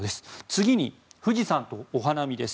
次に富士山とお花見です。